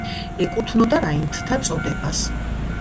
ეკუთვნოდა რაინდთა წოდებას.